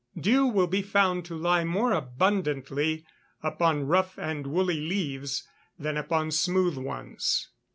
Dew will be found to lie more abundantly upon rough and woolly leaves than upon smooth ones.